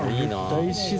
大自然。